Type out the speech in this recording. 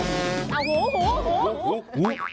อ้าวหู